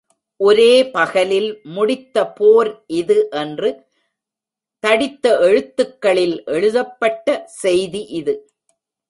ஒரே பகலில் முடித்த போர் இது என்று தடித்த எழுத்துகளில் எழுதப்பட்ட செய்தி இது.